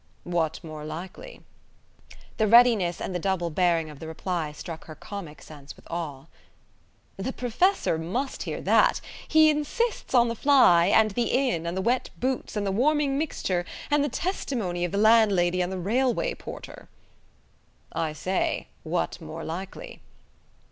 "What more likely?" The readiness and the double bearing of the reply struck her comic sense with awe. "The Professor must hear that. He insists on the fly, and the inn, and the wet boots, and the warming mixture, and the testimony of the landlady and the railway porter." "I say, what more likely?"